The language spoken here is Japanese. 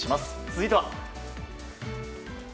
続いては。